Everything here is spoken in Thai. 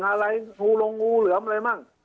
อะไรชูลงงูเหลือมอะไรมั่ง